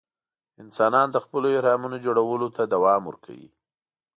انسانان د خپلو اهرامونو جوړولو ته دوام ورکوي.